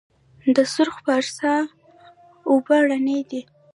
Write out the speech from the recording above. د سرخ پارسا اوبه رڼې دي